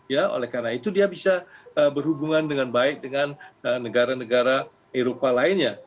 ya oleh karena itu dia bisa berhubungan dengan baik dengan negara negara eropa lainnya